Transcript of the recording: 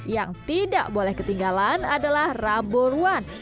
yang tidak boleh ketinggalan adalah raburwan